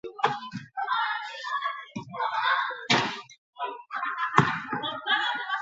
Ezinbesteko data da erreferenduma defendatzen duten alderdientzat.